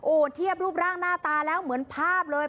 โอ้โหเทียบรูปร่างหน้าตาแล้วเหมือนภาพเลย